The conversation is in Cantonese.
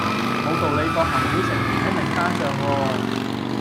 無道理放行會成員喺名單上喎